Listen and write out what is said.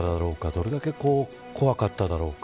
どれだけ怖かっただろうか。